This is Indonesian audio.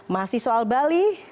masih soal bali